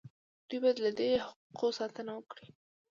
دوی باید له دې حقوقو ساتنه وکړي.